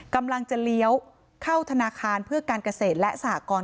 กำลังจะเลี้ยวเข้าธนาคารเพื่อการเกษตรและสหกร